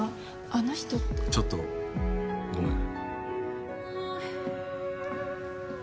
あの人ってちょっとごめん